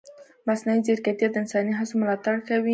مصنوعي ځیرکتیا د انساني هڅو ملاتړ کوي.